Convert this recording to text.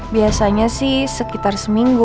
biasanya sih sekitar seminggu